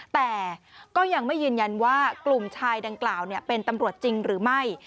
แต่ก็ยังไม่ยืนยันว่ากลุ่มชายดังกล่าวเป็นตำรวจจริงหรือไม่